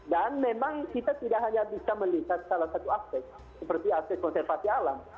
dan memang kita tidak hanya bisa melihat salah satu aspek seperti aspek konservasi alam